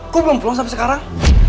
kok belum pulang sampai sekarang